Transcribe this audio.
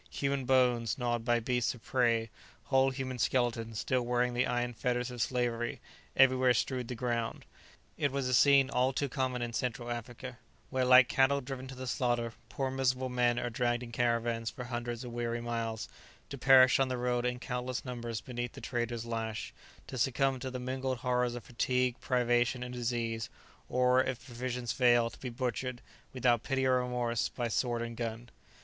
Human bones gnawed by beasts of prey, whole human skeletons, still wearing the iron fetters of slavery, everywhere strewed the ground. It was a scene only too common in Central Africa, where like cattle driven to the slaughter, poor miserable men are dragged in caravans for hundreds of weary miles, to perish on the road in countless numbers beneath the trader's lash, to succumb to the mingled horrors of fatigue, privation, and disease, or, if provisions fail, to be butchered, without pity or remorse, by sword and gun.